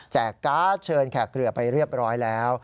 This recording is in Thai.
การ์ดเชิญแขกเรือไปเรียบร้อยแล้ว